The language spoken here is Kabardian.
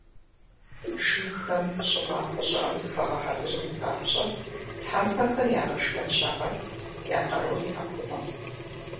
Жыгхэм щӏымахуэ щӏыӏэм зыхуагъэхьэзырын папщӏэ, тхьэпмэхэр «ягъэшхэн» щагъэт, я къарур яхъумэ.